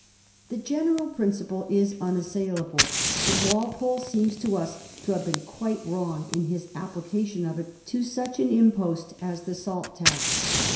The general principle is imassailable ; but Walpole seems to us to have been quite wrong in his application of it to such an impost as the salt tax.